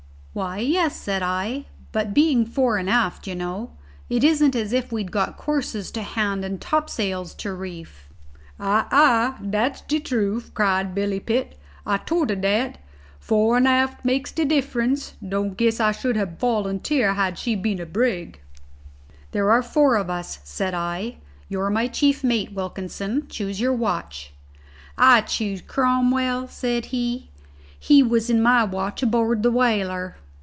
"Why, yes," said I; "but being fore and aft, you know! It isn't as if we'd got courses to hand and topsails to reef." "Ay, ay, dat's de troof," cried Billy Pitt. "I tort o' dat. Fore an' aft makes de difference. Don't guess I should hab volunteer had she been a brig." "There are four of us," said I. "You're my chief mate, Wilkinson. Choose your watch." "I choose Cromwell," said he; "he was in my watch aboard the whaler."